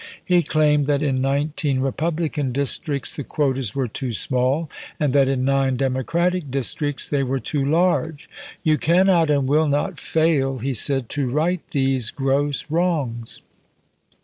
He claimed that in nineteen Re ibid., p. 39. publican districts the quotas were too small, and that in nine Democratic districts they were too large. "You cannot and will not fail," he said, " to right these gross wrongs."